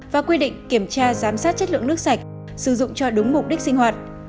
và quy định kiểm tra giám sát chất lượng nước sạch sử dụng cho đúng mục đích sinh hoạt